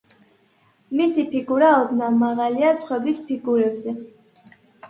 მისი ფიგურა ოდნავ მაღალია სხვების ფიგურებზე.